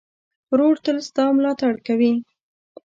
ورور تل ستا ملاتړ کوي.